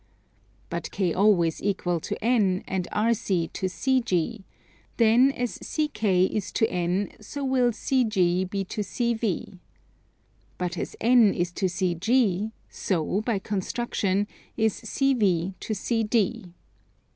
But KO is equal to N, and RC to CG: then as CK is to N so will CG be to CV. But as N is to CG, so, by construction, is CV to CD.